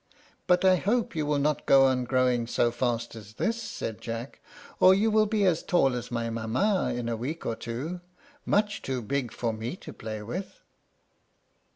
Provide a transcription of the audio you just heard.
"But I hope you will not go on growing so fast as this," said Jack, "or you will be as tall as my mamma is in a week or two, much too big for me to play with."